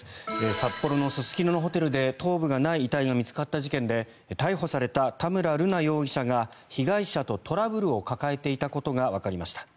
札幌・すすきののホテルで頭部のない遺体が見つかった事件で逮捕された田村瑠奈容疑者が被害者とトラブルを抱えていたことがわかりました。